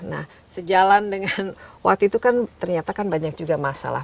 nah sejalan dengan waktu itu kan ternyata kan banyak juga masalah